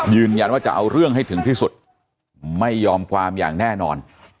ยืนยันว่าจะเอาเรื่องให้ถึงที่สุดไม่ยอมความอย่างแน่นอน